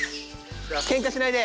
ケンカしないで！